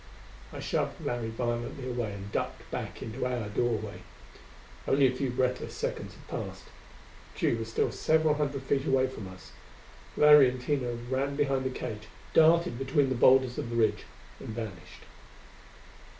I shoved Larry violently away and ducked back into our doorway. Only a few breathless seconds had passed; Tugh was still several hundred feet away from us. Larry and Tina ran behind the cage, darted between the boulders of the ridge and vanished.